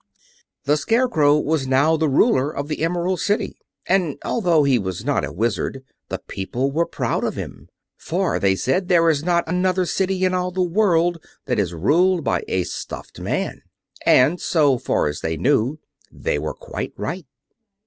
The Scarecrow was now the ruler of the Emerald City, and although he was not a Wizard the people were proud of him. "For," they said, "there is not another city in all the world that is ruled by a stuffed man." And, so far as they knew, they were quite right.